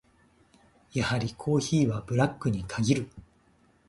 やはりコーヒーはブラックに限る。